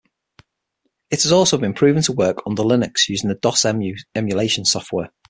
It has also been proven to work under Linux using the Dosemu emulation software.